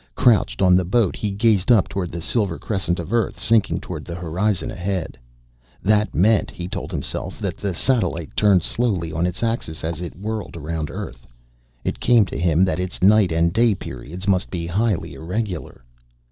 Crouched on the boat he gazed up toward the silver crescent of Earth sinking toward the horizon ahead. That meant, he told himself, that the satellite turned slowly on its axis as it whirled around Earth. It came to him that its night and day periods must be highly irregular.